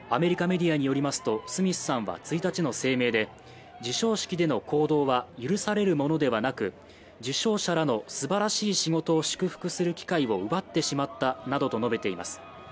アメリカメディアによりますと、スミスさんは１日の声明で、自称式での行動は許されるものではなく、受賞者らの素晴らしい仕事を祝福する機会を奪ってしまったなどと述べています。